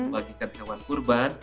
bagikan ke teman korban